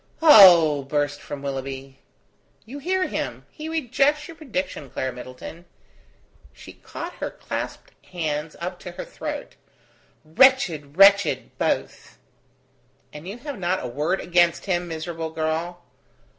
"Oh!" burst from Willoughby. "You hear him. He rejects your prediction, Clara Middleton." She caught her clasped hands up to her throat. "Wretched, wretched, both!" "And you have not a word against him, miserable girl."